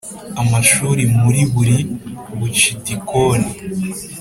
amashuri muri buri bucidikoni